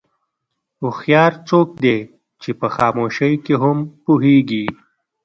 هوښیار څوک دی چې په خاموشۍ کې هم پوهېږي.